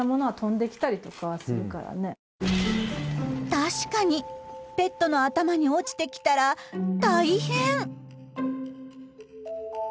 確かにペットの頭に落ちてきたら大変！